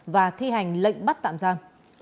và thi hành lệnh bắt tạm giam